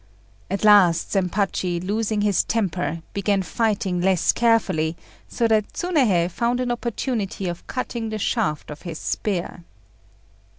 At last Zempachi, losing his temper, began fighting less carefully, so that Tsunéhei found an opportunity of cutting the shaft of his spear.